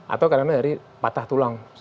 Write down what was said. atau karena dari patah tulang